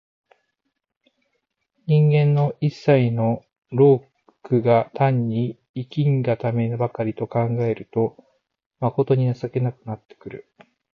人間の一切の労苦が単に生きんがためばかりと考えると、まことに情けなくなってくる。